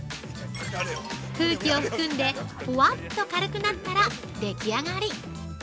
空気を含んでふわっと軽くなったら出来上がり。